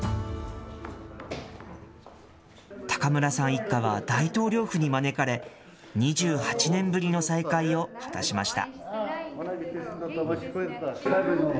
高村さん一家は大統領府に招かれ、２８年ぶりの再会を果たしました。